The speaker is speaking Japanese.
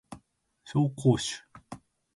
紹興酒